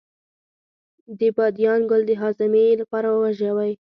د بادیان ګل د هاضمې لپاره وژويئ